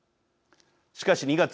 しかし、２月。